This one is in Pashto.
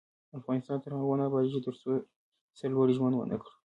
افغانستان تر هغو نه ابادیږي، ترڅو سرلوړي ژوند ونه کړو.